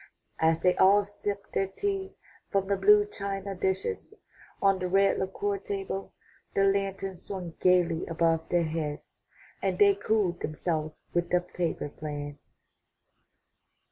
As they all sipped their tea from the blue china dishes on the red lacquer table, the lantern swung gaily above their heads and they cooled themselves with the paper fan.